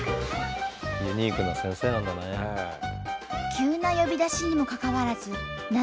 急な呼び出しにもかかわらずそうそう。